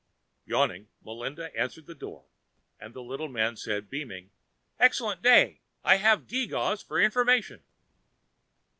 Yawning, Melinda answered the door and the little man said, beaming, "Excellent day. I have geegaws for information."